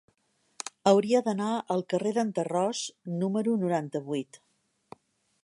Hauria d'anar al carrer d'en Tarròs número noranta-vuit.